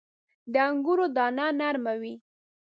• د انګورو دانه نرمه وي.